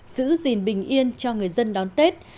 giữ gìn bình yên cho người dân đón tết